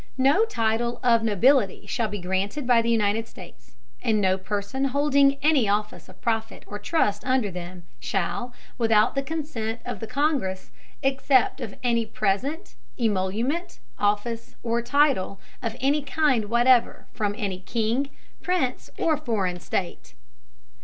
No Title of Nobility shall be granted by the United States: And no Person holding any Office of Profit or Trust under them, shall, without the Consent of the Congress, accept of any present, Emolument, Office, or Title, of any kind whatever, from any King, Prince, or foreign State.